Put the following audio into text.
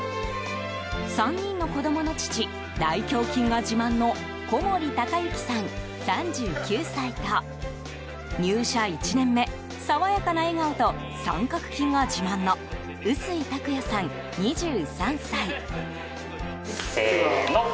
３人の子供の父大胸筋が自慢の小森高幸さん、３９歳と入社１年目爽やかな笑顔と三角筋が自慢の薄井拓也さん、２３歳。